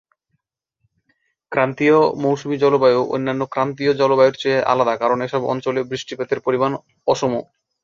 ক্রান্তীয় মৌসুমি জলবায়ু অন্যান্য ক্রান্তীয় জলবায়ুর চেয়ে আলাদা কারণ এসব অঞ্চলে বৃষ্টিপাতের পরিমান অসম।